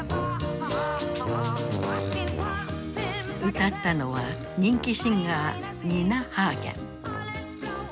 歌ったのは人気シンガーニナ・ハーゲン。